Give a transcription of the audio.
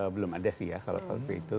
belum ada sih ya kalau waktu itu